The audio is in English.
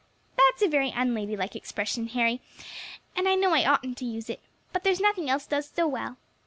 That's a very unladylike expression, Harry, and I know I oughtn't to use it, but there's nothing else does so well.